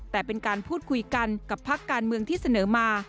แต่เป็นการพูดคุยกันกับพักการเมืองที่เสนอมา